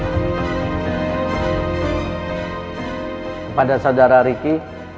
kepada saudara ricky